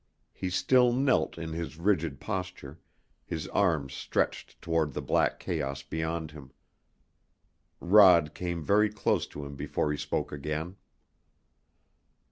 He still knelt in his rigid posture, his arms stretched toward the black chaos beyond him. Rod came very close to him before he spoke again.